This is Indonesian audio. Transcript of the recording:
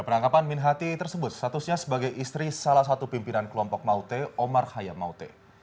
penangkapan min hati tersebut statusnya sebagai istri salah satu pimpinan kelompok maute omar hayam maute